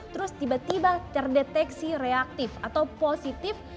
terus tiba tiba terdeteksi reaktif atau positif